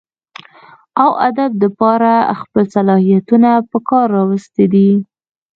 اوادب دپاره خپل صلاحيتونه پکار راوستي دي